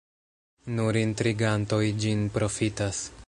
Nur intrigantoj ĝin profitas.